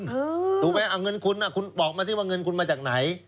ถูกไหมเอาเงินคุณคุณบอกมาสิว่าเงินคุณมาจากไหน